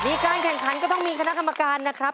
การแข่งขันก็ต้องมีคณะกรรมการนะครับ